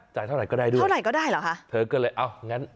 เท่าไหร่ก็ได้ด้วยเท่าไหร่ก็ได้เหรอคะเธอก็เลยเอางั้น